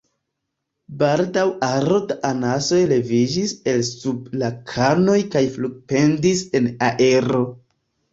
Baldaŭ aro da anasoj leviĝis el sub la kanoj kaj flugpendis en aero.